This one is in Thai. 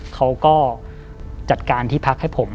เขาก็จัดการที่พักให้ผม